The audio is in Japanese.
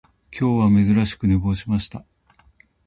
今日は珍しく寝坊しました